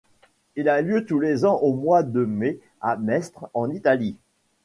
Il a lieu tous les ans au mois de mai à Mestre, en Italie.